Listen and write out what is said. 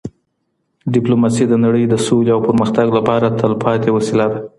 ډيپلوماسي د نړۍ د سولې او پرمختګ لپاره تلپاتې وسیله ده.